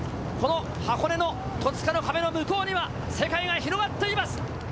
この箱根の戸塚の壁の向こうには世界が広がっています！